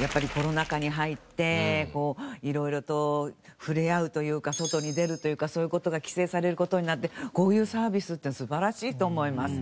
やっぱりコロナ禍に入って色々と触れ合うというか外に出るというかそういう事が規制される事になってこういうサービスって素晴らしいと思います。